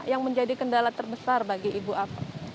yang menjadi kendala terbesar bagi ibu apa